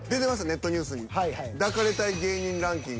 ネットニュースに。